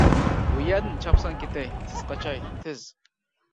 بۇ يەردىن چاپسان كېتەي، تېز قاچاي، تېز.